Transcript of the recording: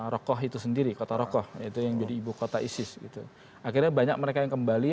rokok itu sendiri kota rokok itu yang jadi ibu kota isis gitu akhirnya banyak mereka yang kembali